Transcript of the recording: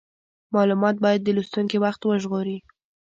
مالومات باید د لوستونکي وخت وژغوري.